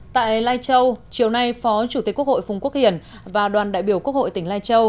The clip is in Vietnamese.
tại lai châu chiều nay phó chủ tịch quốc hội phùng quốc hiển và đoàn đại biểu quốc hội tỉnh lai châu